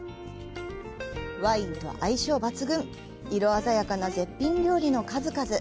ワインと相性抜群色鮮やかな絶品料理の数々。